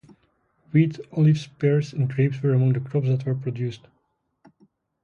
Wheat, olives, pears, and grapes were among the crops that were produced.